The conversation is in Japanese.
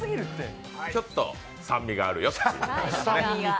ちょっと酸味があるよという。